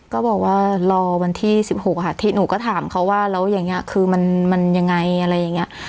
ก็บอกว่ารอวันที่๑๖ค่ะที่หนูก็ถามเขาว่าแล้วอย่างนี้คือมันยังไงอะไรอย่างนี้